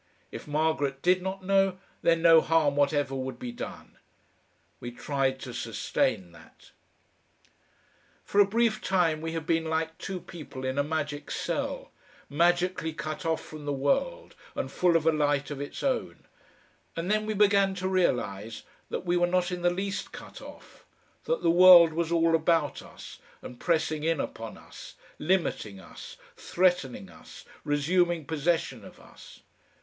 If Margaret did not know, then no harm whatever would be done. We tried to sustain that.... For a brief time we had been like two people in a magic cell, magically cut off from the world and full of a light of its own, and then we began to realise that we were not in the least cut off, that the world was all about us and pressing in upon us, limiting us, threatening us, resuming possession of us.